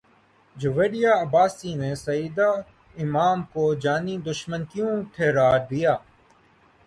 جویریہ عباسی نے سعدیہ امام کو جانی دشمن کیوں ٹھہرا دیا